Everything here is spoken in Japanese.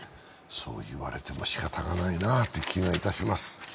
そう言われても仕方がないなという気がいたします。